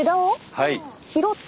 はい。